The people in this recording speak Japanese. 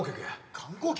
観光客？